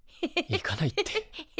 行かないって。